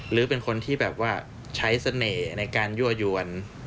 หรือเป็นคนที่แบบว่าใช้เสน่ห์ในการยั่วยวน